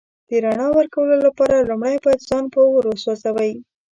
د رڼا ورکولو لپاره لومړی باید ځان په اور وسوځوئ.